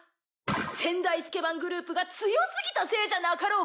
先代スケ番グループが強すぎたせいじゃなかろう。